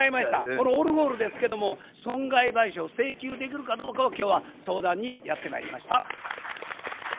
このオルゴールですけども損害賠償請求できるかどうかを今日は相談にやってまいりました。